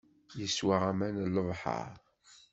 Yeswa aman n lebḥeṛ.